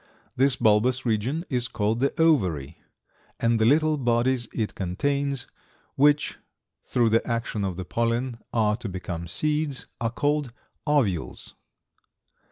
This bulbous region is called the ovary, and the little bodies it contains, which, through the action of the pollen, are to become seeds, are called ovules.